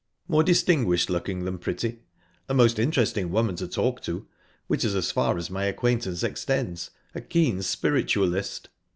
"More distinguished looking than pretty. A most interesting woman to talk to which is as far as my acquaintance extends. A keen spiritualist."